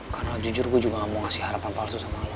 karena jujur gue juga gak mau ngasih harapan palsu sama lo